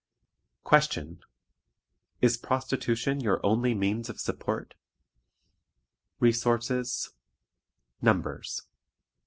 Question. IS PROSTITUTION YOUR ONLY MEANS OF SUPPORT? Resources. Numbers.